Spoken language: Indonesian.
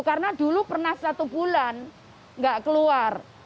karena dulu pernah satu bulan nggak keluar